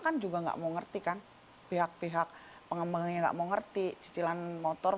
kan juga nggak mau ngerti kan pihak pihak pengembangnya nggak mau ngerti cicilan motor